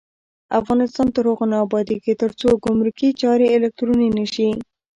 افغانستان تر هغو نه ابادیږي، ترڅو ګمرکي چارې الکترونیکي نشي.